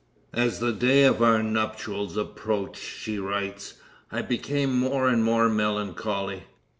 "As the day of our nuptials approached," she writes, "I became more and more melancholy.